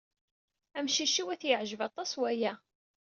Amcic-iw ad t-yeɛjeb aṭas waya.